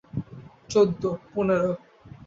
চৌদ্দ, পনেরো।